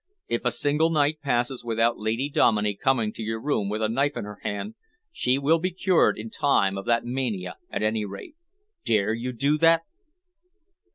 If a single night passes without Lady Dominey coming to your room with a knife in her hand, she will be cured in time of that mania at any rate. Dare you do that?"